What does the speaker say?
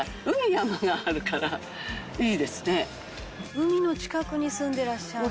海の近くに住んでらっしゃるの？